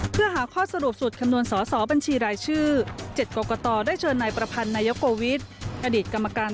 ต้องมีความหมาย